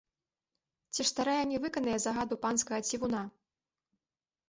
Ці ж старая не выканае загаду панскага цівуна?